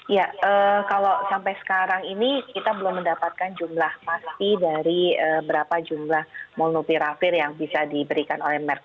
ya kalau sampai sekarang ini kita belum mendapatkan jumlah pasti dari berapa jumlah molnupiravir yang bisa diberikan oleh merk